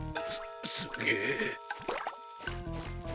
すすげえ。